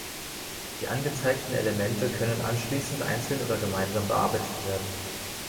Die angezeigten Elemente können anschließend einzeln oder gemeinsam bearbeitet werden.